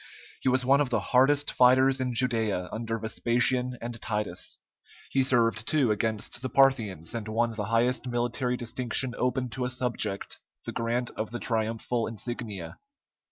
He was one of the hardest fighters in Judæa under Vespasian and Titus; he served, too, against the Parthians, and won the highest military distinction open to a subject, the grant of the triumphal insignia.